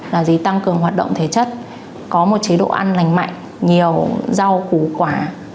là gì tăng cường hoạt động thể chất có một chế độ ăn lành mạnh nhiều rau củ quả